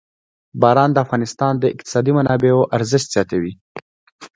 باران د افغانستان د اقتصادي منابعو ارزښت زیاتوي.